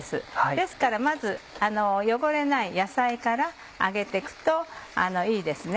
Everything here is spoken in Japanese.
ですからまず汚れない野菜から揚げて行くといいですね。